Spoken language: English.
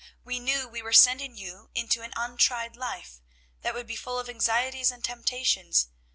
We knew we were sending you into an untried life, that would be full of anxieties and temptations.